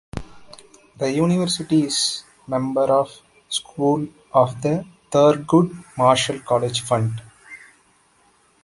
The university is a member school of the Thurgood Marshall College Fund.